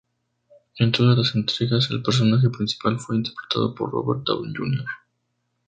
En todas las entregas el personaje principal fue interpretado por Robert Downey Jr.